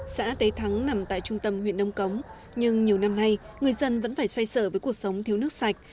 xã tế thắng nằm tại trung tâm huyện nông cống nhưng nhiều năm nay người dân vẫn phải xoay sở với cuộc sống thiếu nước sạch